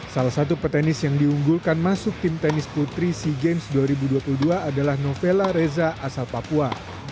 salah satu petenis yang diunggulkan masuk tim tenis putri sea games dua ribu dua puluh dua adalah novela reza asal papua